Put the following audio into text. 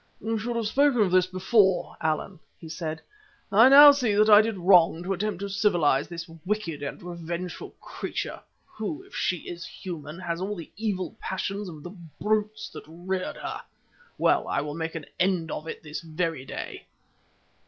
"You should have spoken of this before, Allan," he said. "I now see that I did wrong to attempt to civilize this wicked and revengeful creature, who, if she is human, has all the evil passions of the brutes that reared her. Well, I will make an end of it this very day."